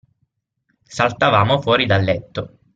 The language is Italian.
Saltavamo fuori dal letto.